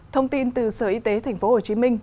thông tin từ sở y tế tp hcm